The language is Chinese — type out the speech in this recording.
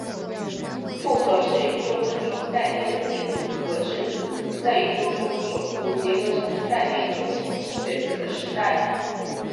复合是宇宙论中带电的电子和质子在宇宙中首度结合成电中性氢原子的时代。